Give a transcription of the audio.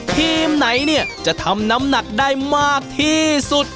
ทีมไหนเนี่ยจะทำน้ำหนักได้มากที่สุด